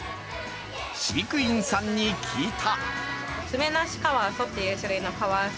飼育員さんに聞いた。